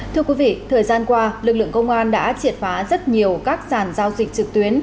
thưa quý vị thời gian qua lực lượng công an đã triệt phá rất nhiều các sàn giao dịch trực tuyến